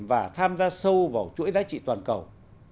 và tham gia sâu vào chuỗi giá trị toàn cầu